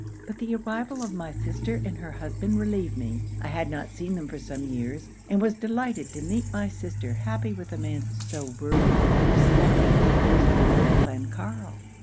But the arrival of my sister and her husband relieved me. I had not seen them for some years; and was delighted to meet my sister happy with a man so worthy and respectable as Lord Clancarryl.